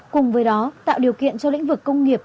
cùng với đó tạo điều kiện cho lĩnh vực công nghiệp